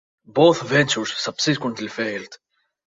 Both ventures subsequently failed.